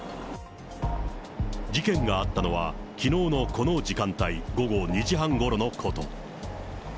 事件があったのはきのうのこの時間帯、午後２時半ごろのこと。